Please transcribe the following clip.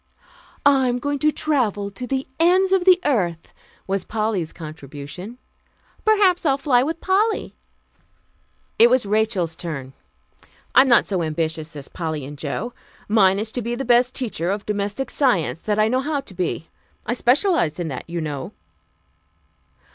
"I'm going to travel to the ends of the earth," was Polly's contribution. "Perhaps I'll fly with Polly." It was Rachel's turn. "I'm not so ambitious as Polly and Jo. Mine is to be the best teacher of Domestic Science that I know how to be. I specialized in that, you know."